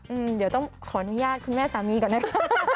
อืมเดี๋ยวต้องขออนุญาตคุณแม่สามีก่อนนะคะ